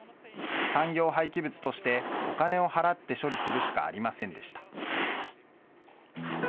産業廃棄物としてお金を払って処理するしかありませんでした。